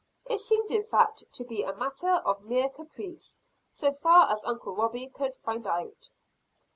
It seemed in fact to be a matter of mere caprice, so far as uncle Robie could find out.